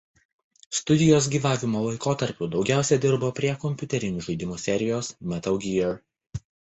Studijos gyvavimo laikotarpiu daugiausia dirbo prie kompiuterinių žaidimų serijos „Metal Gear“.